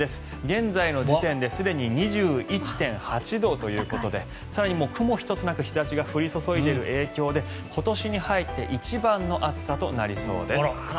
現在の時点ですでに２１．８度ということで更に雲一つなく日差しが降り注いでいる影響で今年に入って一番の暑さとなりそうです。